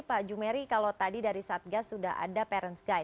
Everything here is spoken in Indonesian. pak jumeri kalau tadi dari satgas sudah ada parents guy